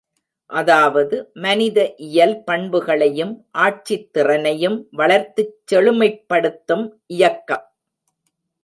அதாவது மனித இயல் பண்புகளையும் ஆட்சித் திறனையும் வளர்த்துச் செழுமைப்படுத்தும் இயக்கம.